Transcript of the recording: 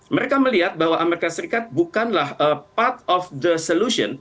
mereka melihat bahwa amerika serikat bukanlah part of the solution